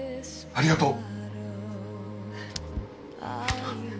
ありがとう。